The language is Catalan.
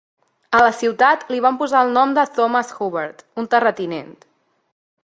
A la ciutat li van posar el nom de Thomas Hubbard, un terratinent.